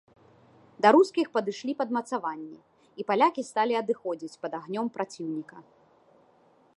Да рускіх падышлі падмацаванні, і палякі сталі адыходзіць пад агнём праціўніка.